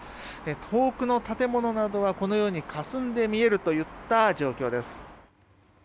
遠くの建物などはこのようにかすんで見えるといった状況です。